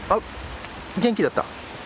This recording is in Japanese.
元気だった？